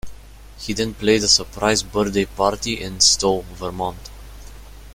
He then played a surprise birthday party in Stowe, Vermont.